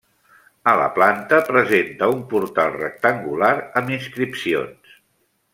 A la planta presenta un portal rectangular amb inscripcions.